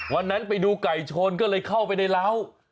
วันนั้นไปดูไก่ชนก็เลยเข้าไปในร้าว